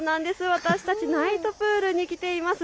私たちナイトプールに来ています。